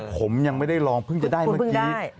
ผมยังไม่ได้ลองเพิ่งจะได้เมื่อกี้